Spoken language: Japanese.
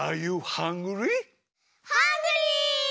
ハングリー！